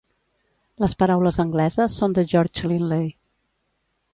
Les paraules angleses són de George Linley.